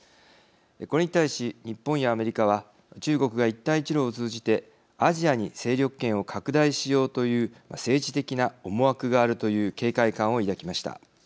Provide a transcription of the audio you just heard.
これに対し日本やアメリカは中国が一帯一路を通じてアジアに勢力圏を拡大しようという政治的な思惑があるという警戒感を抱きました。